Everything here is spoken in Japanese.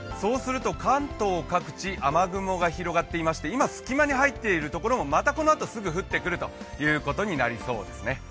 関東各地、雨雲が広がっていまして今、隙間に入っているところもまたこのあとすぐに降ってくるということになりそうですね。